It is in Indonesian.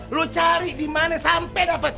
ya lu cari dimana sampe dapet